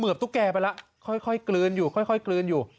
บตุ๊กแก่ไปแล้วค่อยกลืนอยู่ค่อยกลืนอยู่